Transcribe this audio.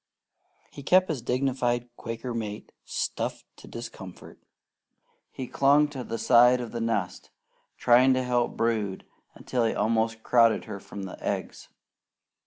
He kept his dignified Quaker mate stuffed to discomfort; he clung to the side of the nest trying to help brood until he almost crowded her from the eggs.